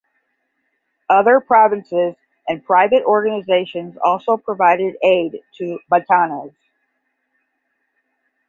Other provinces and private organizations also provided aid to Batanes.